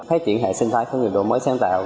phát triển hệ sinh thái khởi nghiệp đổi mới sáng tạo